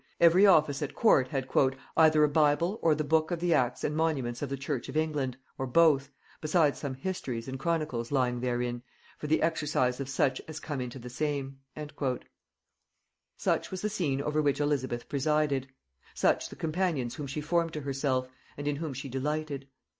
"Every office," at court, had "either a Bible or the book of the Acts and Monuments of the Church of England, or both, besides some histories and chronicles lying therein, for the exercise of such as come into the same." [Note 149: Description of England prefixed to Holinshed's Chronicles.] Such was the scene over which Elizabeth presided; such the companions whom she formed to herself, and in whom she delighted!